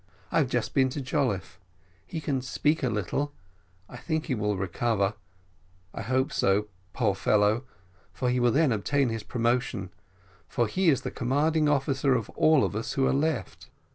I have just been to Jolliffe; he can speak a little; I think he will recover. I hope so, poor fellow; he will then obtain his promotion, for he is the commanding officer of all us who are left."